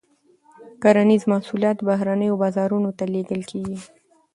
کرنیز محصولات بهرنیو بازارونو ته لیږل کیږي.